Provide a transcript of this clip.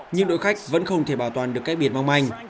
nhưng đội khách vẫn không thể bảo toàn được cách biệt mong manh